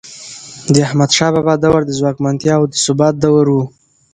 د احمدشاه بابا دور د ځواکمنتیا او ثبات دور و.